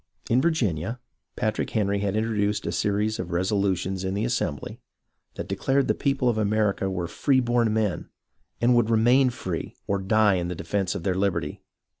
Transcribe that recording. In Virginia, Patrick Henry had introduced a series of resolutions in the Assembly, that declared the people of America were free born men and would remain free, or die in the defence of their Hberty.